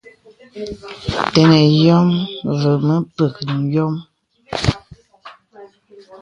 Tənə yɔ̄m və̄ mə̀ pək yɔŋ.